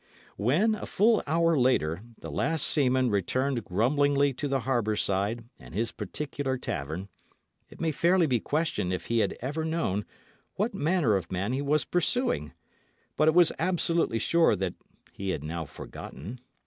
When, a full hour later, the last seaman returned grumblingly to the harbour side and his particular tavern, it may fairly be questioned if he had ever known what manner of man he was pursuing, but it was absolutely sure that he had now forgotten.